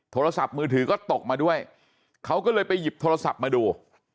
โทรศัพท์มือถือก็ตกมาด้วยเขาก็เลยไปหยิบโทรศัพท์มาดู